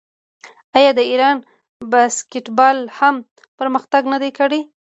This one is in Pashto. آیا د ایران باسکیټبال هم پرمختګ نه دی کړی؟